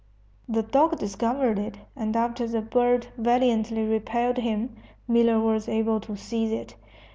The dog discovered it, and after the bird valiantly repelled him, Miller was able to seize it.